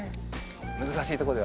難しいとこでは。